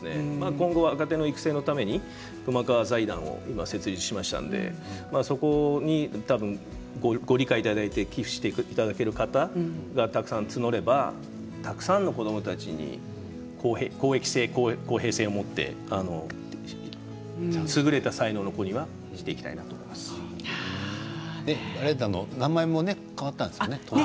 今後は若手の育成のために今、熊川財団を設立しましたのでそこにご理解いただいて寄付していただける方たくさん募ればたくさんの子どもたちに公益性、公平性を持って優れた才能の子には名前も変わったんですよね。